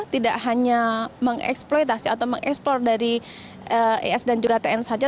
tidak hanya mengeksploitasi atau mengeksplor dari es dan juga tn saja